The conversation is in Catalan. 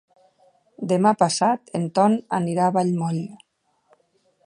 Demà passat en Ton anirà a Vallmoll.